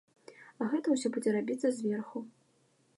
А гэта ўсё будзе рабіцца зверху.